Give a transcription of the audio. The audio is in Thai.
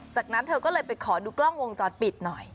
จากนั้นเธอก็เลยไปขอดูกล้องวงจรปิดหน่อย